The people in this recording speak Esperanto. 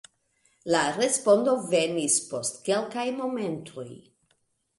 La respondo venis post kelkaj momentoj: